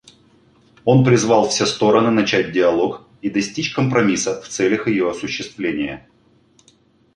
Он призвал все стороны начать диалог и достичь компромисса в целях ее осуществления.